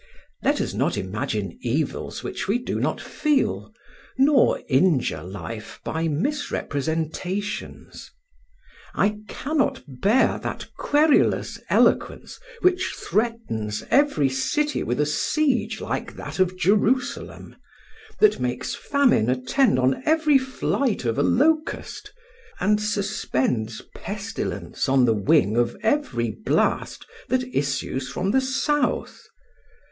Let us not imagine evils which we do not feel, nor injure life by misrepresentations. I cannot bear that querulous eloquence which threatens every city with a siege like that of Jerusalem, that makes famine attend on every flight of locust, and suspends pestilence on the wing of every blast that issues from the south.